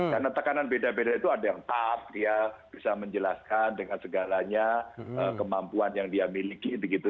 karena tekanan beda beda itu ada yang pap dia bisa menjelaskan dengan segalanya kemampuan yang dia miliki gitu gitu